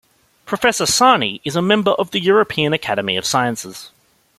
Professor Sahni is a member of the European Academy of Sciences.